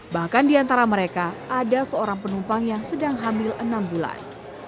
bahkan di antara mereka ada seorang penumpang yang sedang hamil enam bulan